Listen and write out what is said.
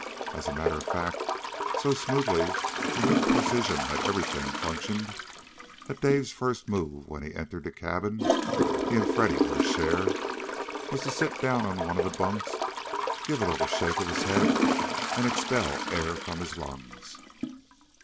As a matter of fact, so smoothly and with precision had everything functioned, that Dave's first move when he entered the cabin he and Freddy were to share was to sit down on one of the bunks, give a little shake of his head, and expel air from his lungs.